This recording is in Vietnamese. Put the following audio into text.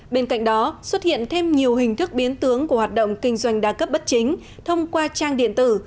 bên cạnh đó xuất hiện thêm nhiều hình thức biến tướng của hoạt động kinh doanh đa cấp bất chính thông qua trang điện tử